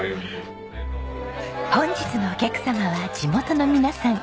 本日のお客様は地元の皆さん。